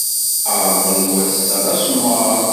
Aḍu n wass-a d asemmaḍ.